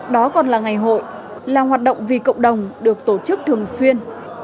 đó còn là ngày hội là hoạt động vì cộng đồng được tổ chức thường xuyên